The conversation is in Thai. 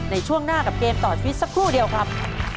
ในช่วงหน้ากับเกมต่อชีวิตสักครู่เดียวครับ